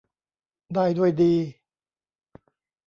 ได้ด้วยดี